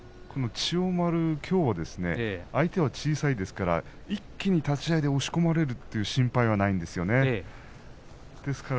相手は小さいですから一気に立ち合いで押し込まれるという心配はないんですね。